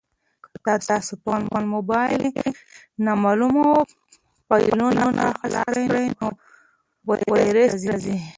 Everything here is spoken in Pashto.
که تاسي په خپل موبایل کې نامعلومه فایلونه خلاص کړئ نو ویروس راځي.